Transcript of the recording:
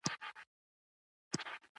دا له چا سره دې خبرې دي.